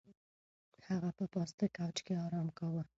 هغه په پاسته کوچ کې ارام کاوه.